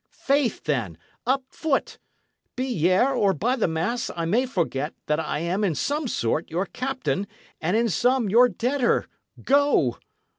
Faith, then, up foot! be yare, or, by the mass, I may forget that I am in some sort your captain and in some your debtor! Go!"